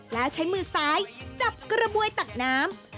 แล้วใช้มือซ้ายจับกระบวยตักน้ำ